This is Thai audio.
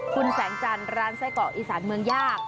คุณแสงจันทร์ร้านไส้เกาะอีสานเมืองยาก